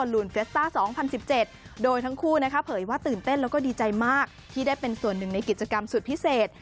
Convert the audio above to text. แล้วก็ดีใจมากที่ได้เป็นส่วนหนึ่งในกิจกรรมสุดพิเศษ